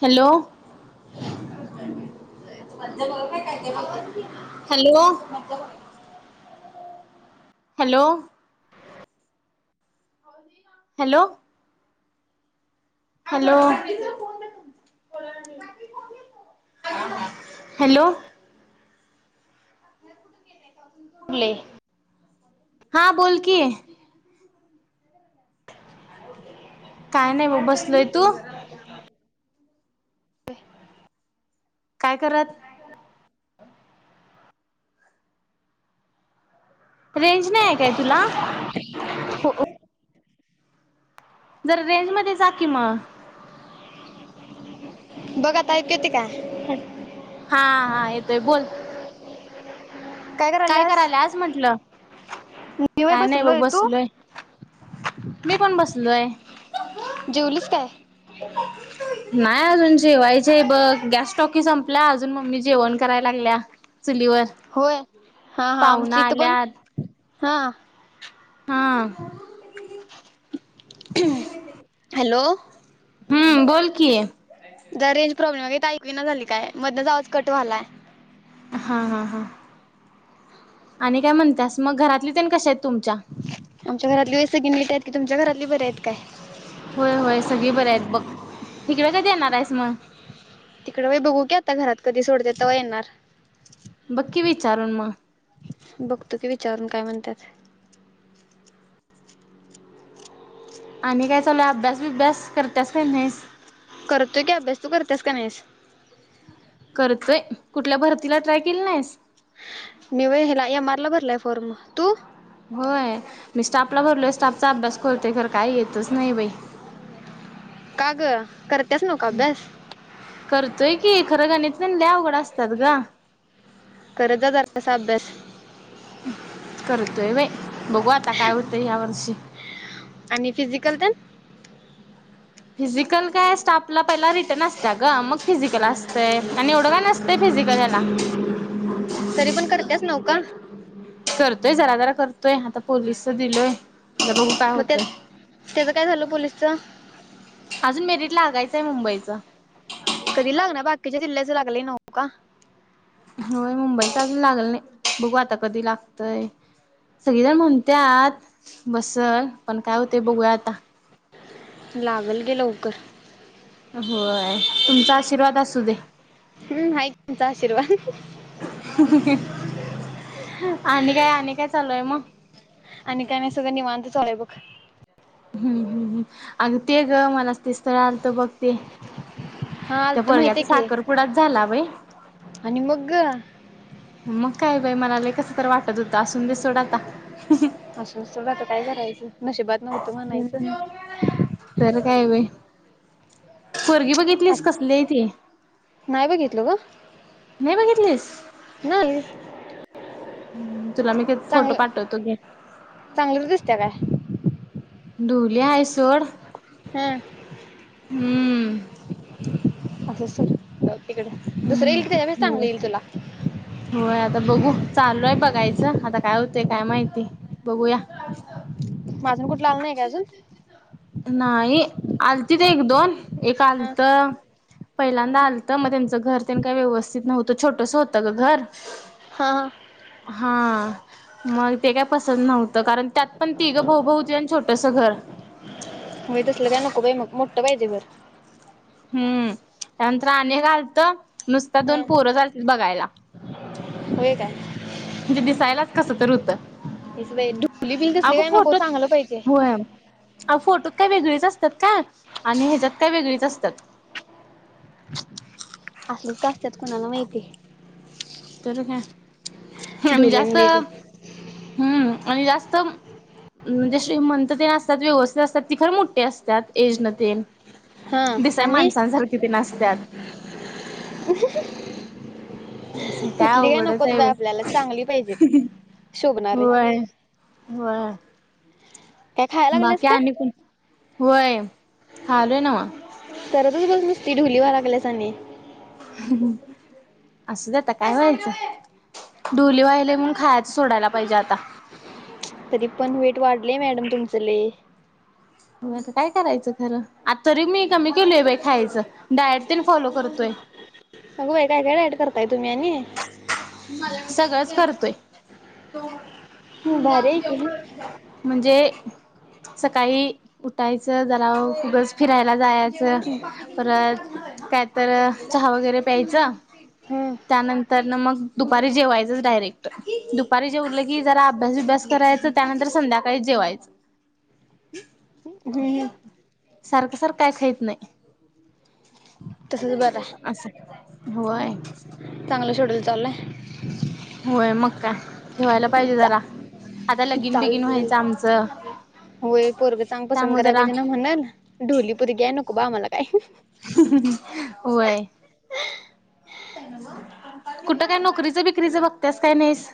Hello, hello, hello, hello, hello, hello, ले हा बोल की, काय नाही ब बसलोय. तू? व्हय. काय करत? रेंज नाही आहे काय तुला? हो जरा रेंज मध्ये जा की म. बघत ऐकु येते काय? हा हा, येतोय बोल. काय कराल्यास? करायला आज म्हंटलं मी वय काय नाही बघ बसलोय. तू? मी पण बसलोय जेवलीस काय? नाय अजून जेवायचीये बघ, गॅस टॉकी संपला. अजून मम्मी जेवण कराय लागल्या. चुलीवर होय, हा हा, पाहुना आमची इथ पण आल्यात हा, हम हॅलो. हम्म बोल कि. जरा रेंज प्रॉब्लेम आहे गं, इथं ऐकु ईना झालय काय, मधनच आवाज कट व्हालाय हा हा हा, आणि काय म्हणत्यास, मग घरातले ते कशा आहेत तुमच्या? आमच्या घरातली वै सगळी नीट आहेत की, तुमच्या घरातली बरी आहेत काय? होय होय सगळे बरे आहेत बघ, हीकडे कधी येणार आहेस मग? तिकडे वय बघू की आता घरात कधी सोडत्यात तवा येणार. बघ की विचारून मग. बघतो की विचारून काय म्हणतात. आणि काय चालूय अभ्यास बिभ्यास करत्यास कि नाहीसं. करतोय की अभ्यास तू करतेस का नाहीस? करतोय. कुठल्या भरतीला ट्राय केली नाहीस. मी व्हयं व हेला एम आर ला भरलाय फॉर्म. तु होय, मी स्टाफला भरलोय. स्टाफचा अभ्यास करतोय खर काही येतच नाही बाई का ग करतेस नवका अभ्यास. करतोय की खरं गाणित तेन लय अवघड असतात गं करत जा जरासा अभ्यास करतोय बाई, बघू आता काय होतंय या वर्षी. आणि फिजिकल तेन? फिजिकल काय स्टाफला पहिला रिटर्न अस त्या ग मग फिजिकल असतंय आणि एवढं काय नसतंय फिजिकल याला तरी पण करतेच नव का [inaudible] करतोय जरा-जरा करतोय आता पोलीसचं दिलोय आता बघू काय मग त्या होतय. त्याचं काय झालं पोलिसचं? अजून मेरीट लागायचंय मुंबईचं कधी लागणार बाकीच्या जिल्याच लागलय नव का? होय, मुंबईच अजून लागल नाही बघू आता कधी लागतय. सगळेजण म्हणत्यात बसल पण काय होते बघूया आता. लागल की लवकर होय, तुमचा आशीर्वाद असू दे. हम्म, हाय की आमचा आशीर्वाद आणि काय-आणि काय चालू आहे. मग आणि काय नाही सगंळ निवांत चालुय बघ. हम्म-हम्म् अग ते ग मला ते स्थळ आलत बघ ते हा त्या आलतं पोरंघ्याचा माहितीये की साखर पुुडाच झाला बाई आणि मग गं मग काय बाई मला लय कसं तर वाटत होतं असून दे सोड आता असु दे सोड आता काय करायचं नशिबात नव्हतं म्हणायचं. तर काय बाय पोरगी बघितलीस कसली असं आहे ति. नाही बघितलो गं. नाही बघितलीस. नाही. हं तुला मी फोटो पाठवतो घे. चांगलच दिसत्या काय? ढोली हाय सोड हां हम्म असुदे सोड जाऊ दे. तिकड दुसरं येईल की त्याज्यापेक्षा चांगलं हो येईल तुला होय, आता बघू चालूयं बघायचं आता काय होतय काय माहिती बघूया. मं अजून कुठलं आलं नायी काय अजून? नायी आलतीत एक दोन एक हा आलंत पहिल्यांदा हा आलतं मग त्यांचं घर तेन काय व्यवस्थित नव्हतं छोटस होतं ग घर. हां हां. हां मग ते काय पसंत नव्हतं कारण त्यात पण तिघं भाऊ-भाऊ हुतीत अ तसं घर. व्हय तसलं काय नको बाई मग मोठं पाहिजे घर हुं त्यानंतर आणि आलतं नुसतं दोन हं पोरंच आलतीत बघायला. होय काय? म्हंजी दिसायलाच कसं तर हुत. ईस बाई ढोली बीली तसली काय नको सांगायला चांगल पाहिजे आव फोटोत काय वेगळीच असत्यात काय आणि ह्याच्यात काय वेगळीच असत्यात. असलीच का असत्यात कुणाला माहिती.? तर ह्या हां आम्ही ढोलीन जास्त. बिली हुं आणि जास्त उं म्हणजे श्रीमंत तेन असत्यात व्यवस्थित असतात ती खर मोठ्ठी असतात एज न तेन हा दिसाय आणि माणसासारखी तेन असत्यात [inaudible] ह [unintelligible] कसं काय तसली अवघडच नकोत बाई आपल्याला हाय, चांगली पाहिजेत शोभणारे होय होंय. काय खायला लागल्यास बाकी का आणि कोण होय खायालय नव्ह. चरतच बस नुसती ढुली व्हा लागल्यास आणि [inaudible] असु दे आता काय व्हायच ढोली व्हायलोय म्हणून खायच सोडायला पाहिजे आता तरी पण वेट वाढलय मॅडम तुमचं लय मग आता काय करायचं खर आता तरी मी कमी केलय बाई खायचं. डायट येन फॉलो करतोय. अगं बाई काही काही डायट करताय तुम्ही आणि? सगळंच करतोय. [inaudible] हं, भारी आहे की म्हणजे? सकाळी उठायचं जरा ऊगच फिरायला जाया असं परत काय तर चहा वगैरे प्यायचं हं त्यानंतर नं मग दुपारी जेवायचच डायरेक्ट दुपारी जेवल की जरा अभ्यास बिभ्यास करायच त्यानंतर संध्याकाळीच जेवायचं हं हं सारखं सारखं काय खाहीत नायी. तसंच बरं असं होंय. चांगल शेड्यूल चालायं. होय मगं काय ठेवायला पाहिजे चा जरा चालतंय लगिन बिगन चालतंय व्हायचं आमचं. होय पोरग चांगल पसंद त्यामुळे कराय जरा पाहिजे नां म्हणालं ढोलीपोरगी नको का बा आम्हाला काय हं हं--होय कुठं काय नोकरीच बिक्रीच बघतेस काय नाहीस?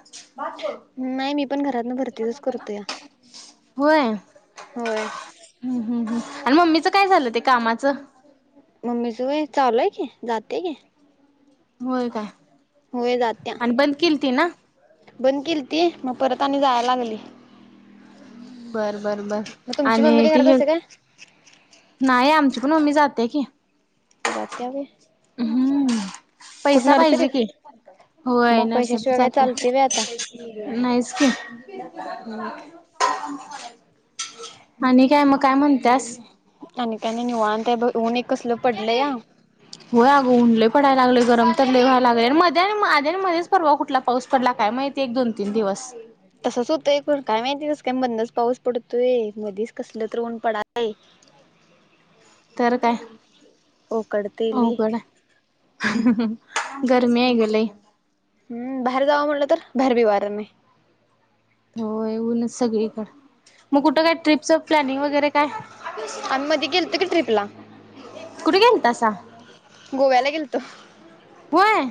नाही मी पण घरातन भरतीचच करतोया होय होय हम हम हम आणि मम्मीच काय झाल ते कामाच? मम्मीच होय चालू आहे की जाते की. होय काय? होय जात्या आणि बंद केलती ना बंद केलती मग परत आणि जायला लागली. बर बर बर मग तुमची आणि मम्मी काय ते करत हे असते काय नाय आमची पण मम्मी जाते की जात्या व्हय हम्म कुठ पैसा पाहिजे कि नर्सरीत होय मग नर्सरीत पैशाशिवाय काय जात्या. चालते व्हय आता नाहीच की मग [inaudible] [inaudible] आणि काय मग काय म्हणत्यास? आणि काय नाही निवांत आहे बग ऊन एक कसलं पडलं या. होय अगं ऊन लय पडायला लागलय गरम तर लय व्हायला लागले आणि मध्ये आणि आधी आणि मधेच परवा कुठला पाऊस पडला काय माहिती एक दोन तीन दिवस. तसच होतंय पण काय माहिती कसं काय बंदच पाऊस पडतोय मध्येच कसल तर ऊन पडायलय तर काय, ओकडतय लय अवघड हाय. गर्मी आहे ग लय. हम्म बाहेर जावं म्हटलं तर बाहेर बि वार नाही. होय ऊनच सगळीकडे मग कुठं काय ट्रिपचं प्लॅनिंग वगैरे काय [inaudible] आम्ही मध्ये गेलतो की ट्रिपला कुठ गेलातसा. गोव्याला गेलतो. व्हय,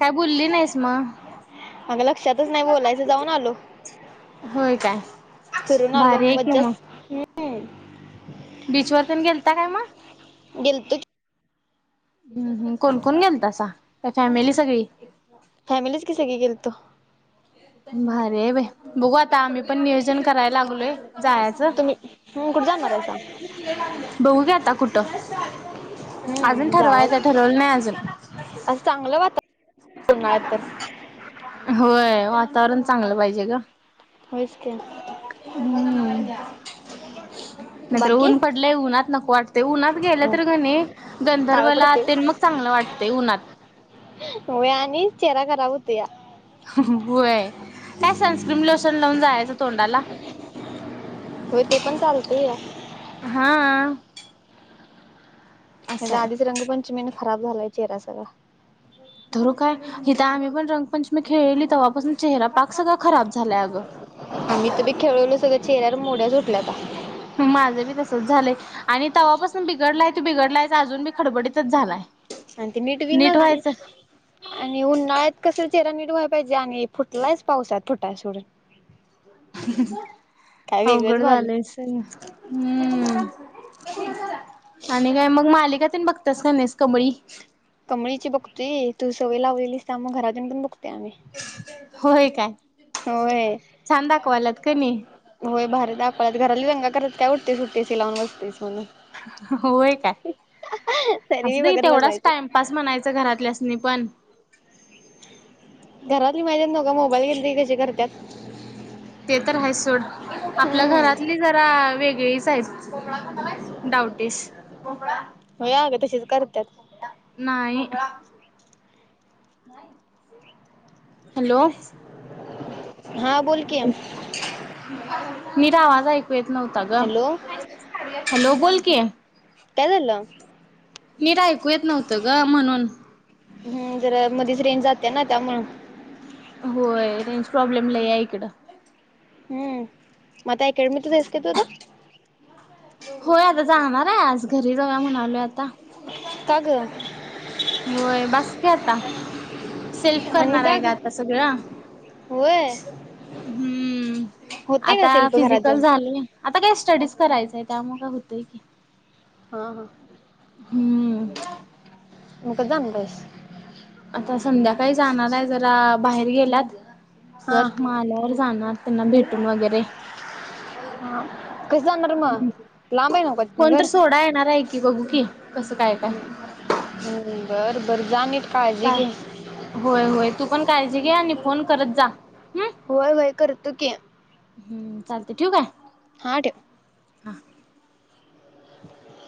काय बोलली नाहीस मग. अग लक्षातच नाही बोलायचं जाऊन आलो. होय काय फिरून आलो भारी आहे कि मज्जाच मग. बीच वर तेनं गेलता काय मग? गेलतो की. हम् हम् कोणकोण गेलतसा का फॅमिली सगळी. फॅमिलीच की सगळी गेलतो. भारी हाय बाई बघू आता आम्ही पण नियोजन कराय लागलोय. जायच, तुम्ही हम्म कुठे जाणार आहे सांग बघू की आता कुठं! अजून हम्म ठरवायचं जावाच आहे ठरवलं नाही अजून. असं चांगलं वातावरण [inaudible] उन्हाळ्यात तर होय वातावरण चांगलं पाहिजे ग. होयच की. हम्म [inaudible] नाहीतर बाकी ऊन पडलंय उन्हात नको वाटतेय उन्हात गेलं तर का नई काळ गंधर्वला पडते तेन मग चांगलं वाटतेय उन्हात. होय आणि चेहरा खराब होतुया. होय काय सनस्क्रीम लोशन लावून जायचं तोंडाला. होय ते पण चालतय या. हा. त्यात असं आहे आधीच रंगपंचमीने खराब झालाय चेहरा सगळा. तर काय इथ आम्ही पण रंगपंचमी खेळली तेव्हापासून चेहरा पाक सगळा खराब झालाय अगं. आम्ही तरी खेळुन सगळ्या चेहऱ्याला मोड्याच उठल्याता. माझं बी तसंच झालंय. आणि तव्हापासून बिघडलाय तो बिघडलायच अजून बी खरबडीतचं झालायं. आणि ते नीट बी व्हीना आणि आणि उन्हाळ्यात कसं चेहरा नीट व्हायला पाहिजे आणि फुटलायच पावसात फुटायचं सोडून. काय वेगळंच अवघड व्हालय झालयचं तेच ना हम्म. आणि काय मग मालिका तेन बघतीयास काय नाहीस कमळी कमळीची बघतोय तू सवय लावलेलीस त्यामुळं घरात येऊन पण बघतोय आम्ही होय काय. होय. छान दाखवाल्यात कणी. होय भारी दाखवाल्यात, घरातली दंगा कराल्यात काय उठतयीस सुटतयीस ते लावून बसतयीस म्हणून. होय काय, तरी बी असुदे की बघत तेवढाच बसायचं टाईम पास म्हणायचं घरातल्यासनी पण. घरातली माझ्या माझा मोबाईल घेतलं की कशी करत्यात. ते तर आहेच सोड आपल्या हम्म घरातली जरा वेगळीच हायीत भोपळा खाणार आहेस, गवटीच भोपळा. होय अगं तशीच करत्यात. नाही भोपळा. हॅलो. हां बोलकी. नीट आवाज ऐकू येतं नव्हता गं, हॅलो हॅलो बोल की. काय झालं? नीट ऐकू येतं नव्हतं गं म्हणून. हम् जरा मधीच रेंज जातीया ना त्यामुळं. होय रेंज प्रॉब्लेम लय हाय इकडं. हम्म म आता अकॅडमीतच आहेस काय तू आता? होय अगं जाणार आहे, आज घरी जाऊया म्हणालोय आता. का ग होय बास की आता. सेल्फ आणि करणार का आहे गं ग आता सगळं. होय हम्म होते का आता शिल्प फिजिक घरात जाऊन ली आता काय स्टडीच करायचंय त्यामुळं हुतयं की. हा हा. हम्म. उगाच आणला आहेस. आता संध्याकाळी जाणार आहे जरा बाहेर गेल्यात. हा तर म आल्यावर जाणार त्यांना भेटून वगैरे. ह कसं जाणार म लां कोण तर सोडाय येणार हाय की बघू की कसं काय काय. हम्म बरं बरं जा निट काळजी काय घे. होय होय तू पण काळजी घे आणि फोन करत जा. हम्म होय होय करतो की. हम्म चालतंय ठेवू काय? हा ठेव. हा [inaudible]